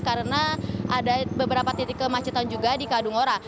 karena ada beberapa titik kemacetan juga di kadungwara